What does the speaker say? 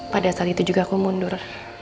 pada saat itu juga aku mundur